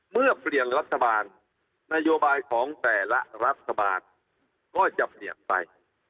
เมื่อเปลี่ยนรัฐบาลนโยบายของแต่ละรัฐบาลก็จะเปลี่ยนไป